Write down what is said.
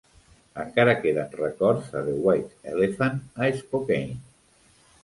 Encara queden records a The White Elephant, a Spokane.